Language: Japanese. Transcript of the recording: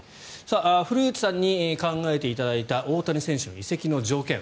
古内さんに考えていただいた大谷選手の移籍の条件。